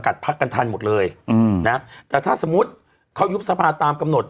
พักกันทันหมดเลยอืมนะแต่ถ้าสมมุติเขายุบสภาตามกำหนด